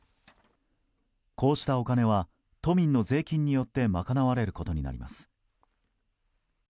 こうしたお金は都民の税金によってまかなわれることになります。